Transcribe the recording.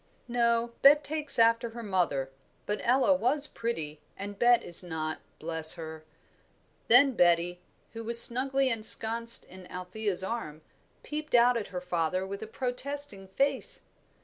"No, Bet takes after her mother; but Ella was pretty, and Bet is not, bless her." Then Betty, who was snugly ensconced in Althea's arm, peeped out at her father with a protesting face.